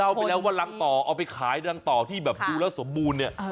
ไปแล้วว่ารังต่อเอาไปขายรังต่อที่แบบดูแล้วสมบูรณ์เนี่ย